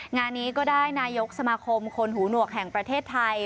งานนี้ก็ได้นายกสมาคมคนหูหนวกแห่งประเทศไทย